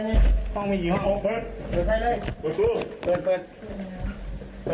ในท่องมีกี่ห้องเบิดเรือไฟเลย